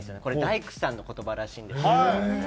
これ大工さんの言葉らしいんですけど。